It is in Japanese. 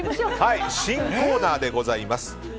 新コーナーでございます。